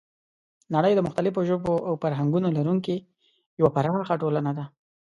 نړۍ د مختلفو ژبو او فرهنګونو لرونکی یوه پراخه ټولنه ده.